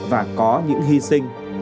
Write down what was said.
và có những hy sinh